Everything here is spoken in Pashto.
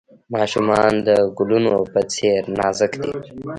ماشومان د ګلونو په څیر نازک دي.